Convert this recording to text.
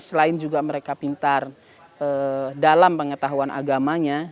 selain juga mereka pintar dalam pengetahuan agamanya